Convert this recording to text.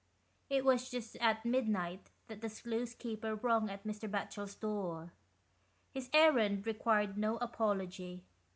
It was just at midnight that the sluice keeper rung at Mr. Batchel's door. His errand required no apology.